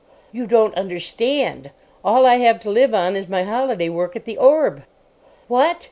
"You don't understand. All I have to live on is my holiday work at the Orb." "What!"